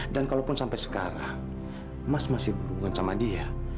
dan kalaupun sampai sekarang mas masih hubungan sama dia